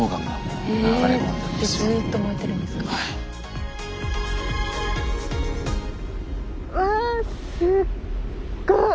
ずっと燃えてるんですか？